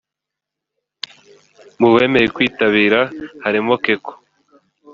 mu bemeye kwitabira harimo Keko